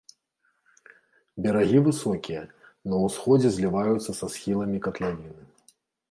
Берагі высокія, на ўсходзе зліваюцца са схіламі катлавіны.